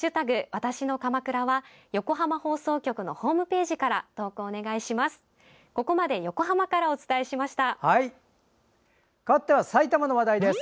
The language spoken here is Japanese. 「＃わたしの鎌倉」は横浜放送局のホームページから投稿をお願いします。